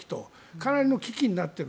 かなりの危機になっている。